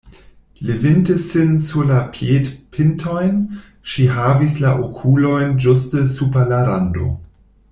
Levinte sin sur la piedpintojn, ŝi havis la okulojn ĝuste super la rando.